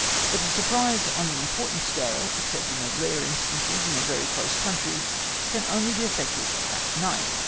But a surprise on an important scale except in rare instances in a very close country, can only be effected at night.